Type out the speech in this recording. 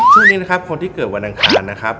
ช่วงนี้นะครับคนที่เกิดวันอังคารนะครับ